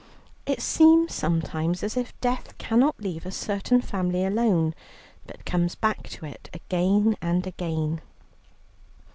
It seems sometimes as if Death cannot leave a certain family alone, but comes back to it again and again.